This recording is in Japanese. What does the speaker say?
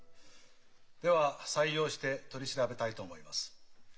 では採用して取り調べたいと思います。